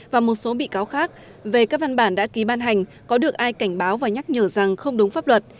và một số bị cáo khác về các văn bản đã ký ban hành có được ai cảnh báo và nhắc nhở rằng không đúng pháp luật